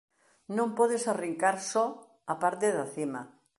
Non podes arrincar só a parte da cima.